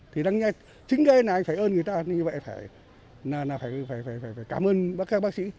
thì đáng nghe chính cái này anh phải ơn người ta như vậy phải cảm ơn các bác sĩ